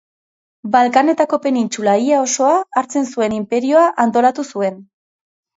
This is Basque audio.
Balkanetako penintsula ia osoa hartzen zuen inperioa antolatu zuen.